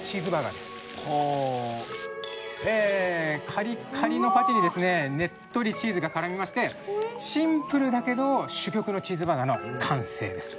カリッカリのパティにですねねっとりチーズが絡みましてシンプルだけど珠玉のチーズバーガーの完成です。